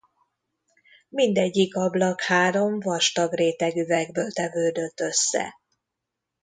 Mindegyik ablak három vastag réteg üvegből tevődött össze.